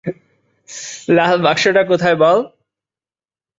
লাল বাক্সটা কোথায় বল।